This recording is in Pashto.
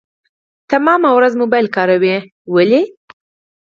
تمامه ورځ موبايل کاروي ولي .